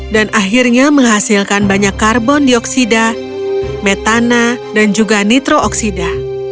dan akhirnya menghasilkan banyak karbon dioksida metana dan juga nitrooksida